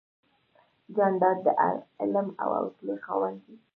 جانداد د حلم او حوصلې خاوند دی.